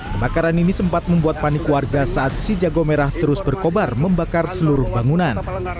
kebakaran ini sempat membuat panik warga saat si jago merah terus berkobar membakar seluruh bangunan